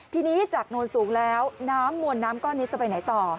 ทีนี้จากโนนสูงแล้วน้ำมวลน้ำก้อนนี้จะไปไหนต่อ